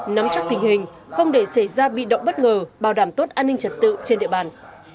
nắm chắc tình hình không để xảy ra bị động bất ngờ bảo đảm tốt an ninh trật tự trên địa bàn